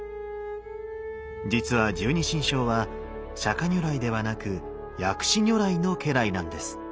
実は十二神将は釈如来ではなく薬師如来の家来なんです。